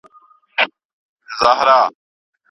د کندهار د نوي واکمن پوځي مهارت ډېر لوړ دی.